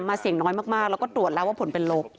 มาเสี่ยงน้อยมากแล้วก็ตรวจแล้วว่าผลเป็นลบ